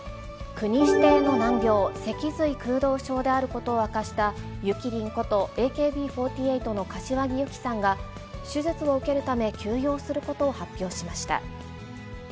国指定の難病、脊髄空洞症であることを明かした、ゆきりんことＡＫＢ４８の柏木由紀さんが、手術を受けるため休養することを発表しました。